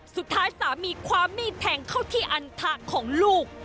สุดท้ายสามีความมีดแทงเข้าที่อันถะของลูก